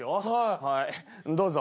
はいどうぞ。